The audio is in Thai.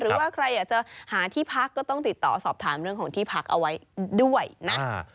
หรือว่าใครอยากจะหาที่พักก็ต้องติดต่อสอบถามเรื่องของที่พักเอาไว้ด้วยนะ